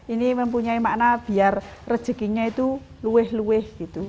ini mempunyai makna biar rezekinya itu lueh lueh gitu